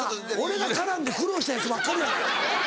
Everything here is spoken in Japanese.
俺が絡んで苦労したヤツばっかり。